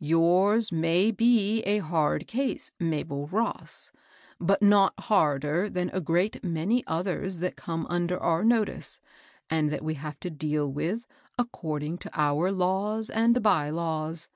Yours may be a hard case, Mabel Ross ; but not harder than a great many others that come under our no tice, and that we have to deal with according to our laws and by laws.